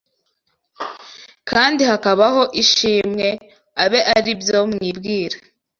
kandi hakabaho ishimwe, abe ari byo mwibwira